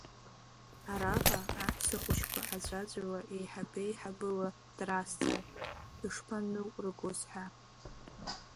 Араҟа аҳәсахәыҷқәа аӡәаӡәала еиҳабеиҳабыла дразҵааит шәышԥаныҟәргоз ҳәа.